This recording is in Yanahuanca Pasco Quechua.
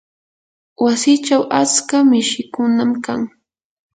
wasichaw atska mishikunam kan.